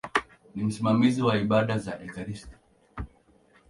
Ni msimamizi wa ibada za ekaristi.